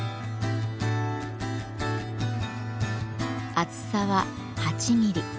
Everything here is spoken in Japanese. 厚さは８ミリ。